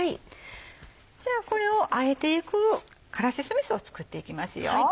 じゃあこれをあえていく辛子酢みそを作っていきますよ。